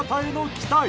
期待！